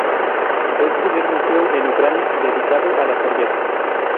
Es primer museo en Ucrania dedicado a la cerveza.